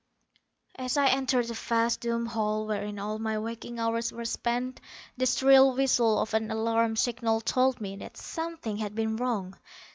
_As I entered the vast domed hall wherein all my waking hours were spent, the shrill whistle of an alarm signal told me that something had been wrong.